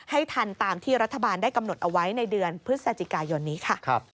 ให้ทันตามที่รัฐบาลได้กำหนดเอาไว้ในเดือนพฤศจิกายนนี้ค่ะ